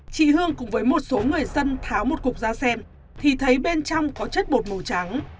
chị hương cùng với một số người dân tháo một cục ra xem thì thấy bên trong có chất bột màu trắng